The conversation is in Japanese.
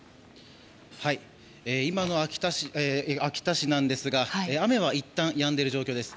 今の秋田市なんですが雨はいったん止んでいる状況です。